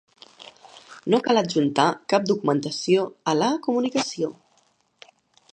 No cal adjuntar cap documentació a la comunicació.